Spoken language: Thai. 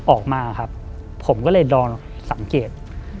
ออกมาครับผมก็เลยดอนสังเกต